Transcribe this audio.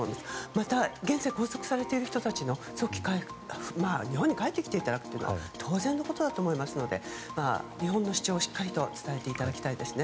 また、現在拘束されている方たちが日本に帰ってきていただくことは当然のことだと思いますので日本の主張をしっかりと伝えていただきたいですね。